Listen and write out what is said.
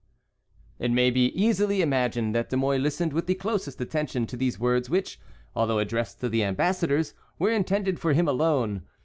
" It may easily be imagined that De Mouy listened with the closest attention to these words which, although addressed to the ambassadors, were intended for him alone.